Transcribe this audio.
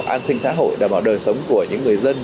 an sinh xã hội đảm bảo đời sống của những người dân